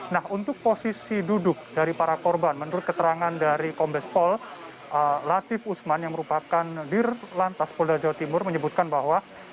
nah untuk posisi duduk dari para korban menurut keterangan dari kombespol latif usman yang merupakan dir lantas polda jawa timur menyebutkan bahwa